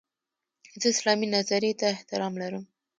زه اسلامي نظرې ته احترام لرم.